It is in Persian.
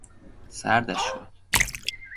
سردش شد.